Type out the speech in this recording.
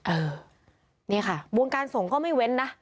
เออนี่ค่ะวงการส่งก็ไม่เว้นนะ